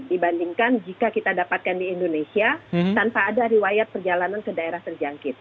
dibandingkan jika kita dapatkan di indonesia tanpa ada riwayat perjalanan ke daerah terjangkit